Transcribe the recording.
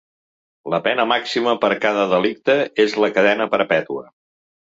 La pena màxima per a cada delicte és la cadena perpètua.